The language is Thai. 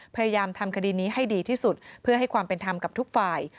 พยายามทำคดีนี้ให้ดีที่สุดเพื่อให้ความเป็นธรรมกับทุกฝ่าย